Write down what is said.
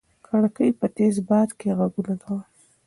کړکۍ په تېز باد کې غږونه کول.